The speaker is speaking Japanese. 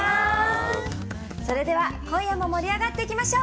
それでは、今夜も盛り上がっていきましょう。